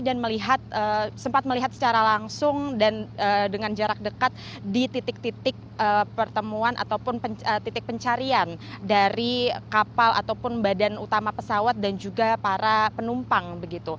dan melihat sempat melihat secara langsung dan dengan jarak dekat di titik titik pertemuan ataupun titik pencarian dari kapal ataupun badan utama pesawat dan juga para penumpang